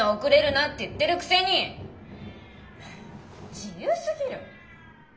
・自由すぎる！